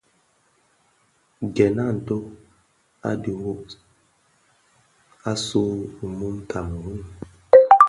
Gèn a nto u dhid nwokag, asuu mun Kameroun.